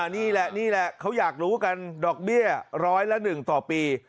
นี่แหละนี่แหละเขาอยากรู้กันดอกเบี้ยร้อยละ๑ต่อปี